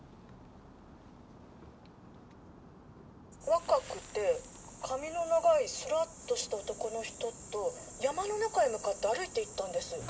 若くて髪の長いすらっとした男の人と山の中へ向かって歩いていったんです。